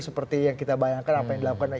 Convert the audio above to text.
seperti yang kita bayangkan apa yang dilakukan